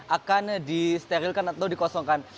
akan disterilkan atau dikosongkan